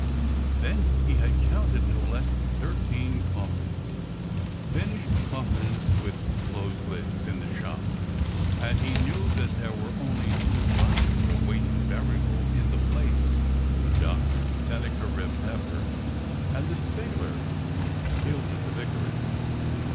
Then he had counted no less than thirteen coffins — finished coffins with closed lids — in the shop, and he knew that there were only two bodies awaiting burial in the place — the doctor, Sennacherib Pepper, and the sailor killed at the vicarage.